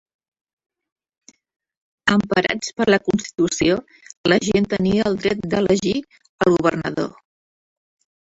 Emparats per la constitució, la gent tenia el dret d"elegir el governador.